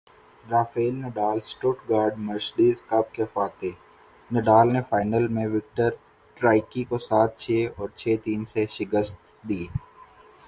Rafale Nadal Stuttgart Mercedes cup کے فاتح Nadal نے فائنل میں وکٹر ٹرائیکی کو سات چھے اور چھے تین سے شکست دی